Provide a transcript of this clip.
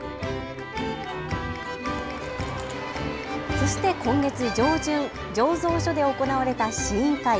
そして今月上旬、醸造所で行われた試飲会。